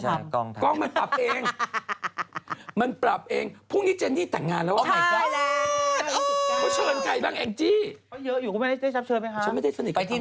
จะคุมธนตรวจ